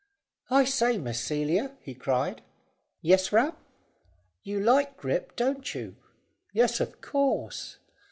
"I say, Miss Celia," he cried. "Yes, Ram." "You like Grip, don't you?" "Yes, of course."